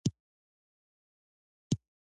درېیم والنټینیان په دستور ووژل شو